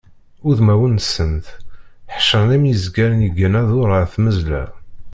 Udmawen-nsent ḥecṛen am yizgaren iggan adur ɣer tmezla.